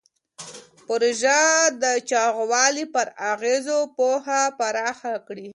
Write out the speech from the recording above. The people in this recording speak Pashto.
پروژه د چاغوالي پر اغېزو پوهه پراخه کړې.